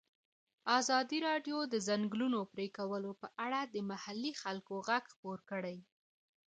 ازادي راډیو د د ځنګلونو پرېکول په اړه د محلي خلکو غږ خپور کړی.